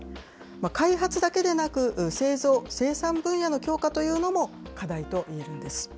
開発だけでなく、製造、生産分野の強化というのも、課題といえるんです。